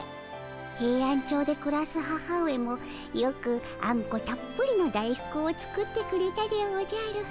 ヘイアンチョウでくらす母上もよくあんこたっぷりの大福を作ってくれたでおじゃる。